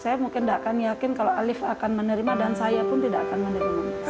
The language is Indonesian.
saya mungkin tidak akan yakin kalau alif akan menerima dan saya pun tidak akan menerima